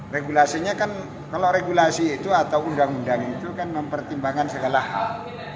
regulasinya kan kalau regulasi itu atau undang undang itu kan mempertimbangkan segala hal